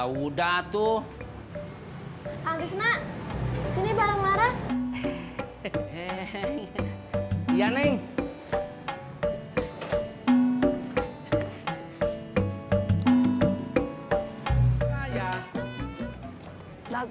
wih duitnya banyak bang